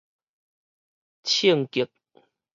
衝激